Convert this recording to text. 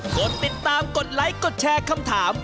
กดติดตามกดไลค์กดแชร์คำถาม